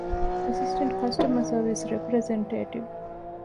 އެސިސްޓެންޓް ކަސްޓަމަރ ސަރވިސް ރެޕްރެޒެންޓޭޓިވް